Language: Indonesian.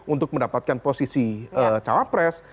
untuk mendapatkan posisi cawapres